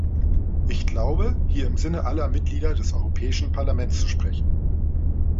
Ich glaube, hier im Sinne aller Mitglieder des Europäischen Parlaments zu sprechen.